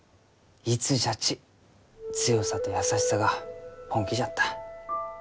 いつじゃち強さと優しさが本気じゃった。